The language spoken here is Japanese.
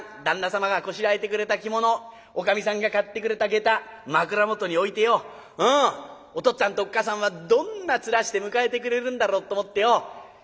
旦那様がこしらえてくれた着物おかみさんが買ってくれた下駄枕元に置いてよお父っつぁんとおっ母さんはどんな面して迎えてくれるんだろうと思ってよ